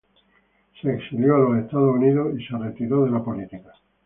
Se exilió a Estados Unidos y se retiró de la política.